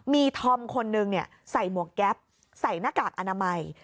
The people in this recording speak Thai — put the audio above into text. มีธอมคนนึงใส่หมวกแก๊ปใส่หน้ากากอนามัย